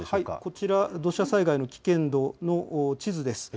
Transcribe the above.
こちら土砂災害の危険度の地図です。